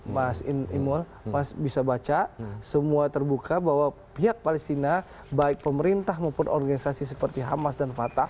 mas imul mas bisa baca semua terbuka bahwa pihak palestina baik pemerintah maupun organisasi seperti hamas dan fatah